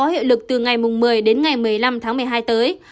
được từ ngày một mươi đến ngày một mươi năm tháng một mươi hai tới